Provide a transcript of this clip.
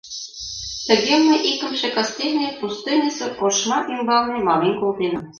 Тыге мый икымше кастене пустыньысо ошма ӱмбалне мален колтенам.